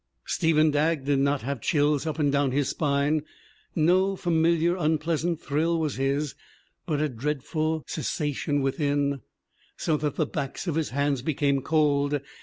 Steven Dagg did not have chills up and down his spine. No familiar unpleasant thrill was his but a dreadful cessation within, so that the backs of his hands became cold.